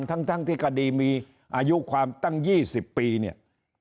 ทั้งที่คดีมีอายุความตั้ง๒๐ปีเนี่ย